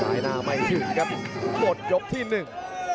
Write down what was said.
สายหน้าไมสะดิบกลดยอบที่ปีหนึ่ง